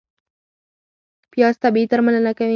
پیاز طبیعي درملنه کوي